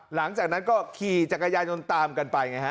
หลังจากนั้นก็ขี่จักรยานยนต์ตามกันไปไงฮะ